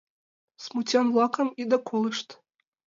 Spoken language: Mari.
Смутьян-влакым ида колышт.